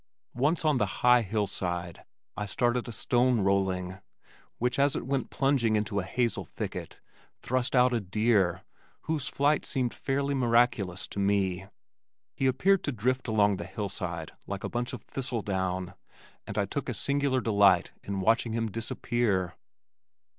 Once on the high hillside, I started a stone rolling, which as it went plunging into a hazel thicket, thrust out a deer, whose flight seemed fairly miraculous to me. He appeared to drift along the hillside like a bunch of thistle down, and I took a singular delight in watching him disappear.